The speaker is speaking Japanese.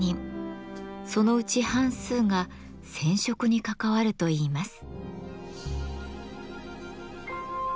そのうち半数が「染織」に関わるといいます。